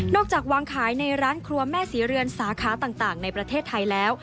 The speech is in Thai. จากวางขายในร้านครัวแม่ศรีเรือนสาขาต่างในประเทศไทยแล้ว